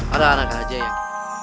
ada anak aja yang